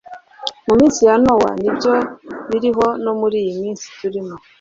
mu minsi ya Nowa ni byo biriho no muri iyi minsi turimo